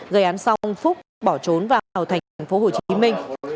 gây án xong phúc bỏ trốn vào thành phố hồ chí minh